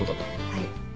はい。